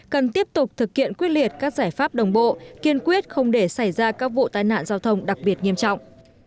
cần tiếp tục thực hiện quyết liệt các giải pháp đồng bộ kiên quyết không để xảy ra các vụ tai nạn giao thông đặc biệt nghiêm trọng